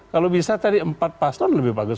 kalau bisa tadi empat paslon lebih bagus